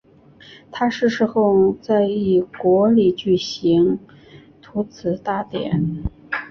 他逝世后在以国礼举行荼毗大典。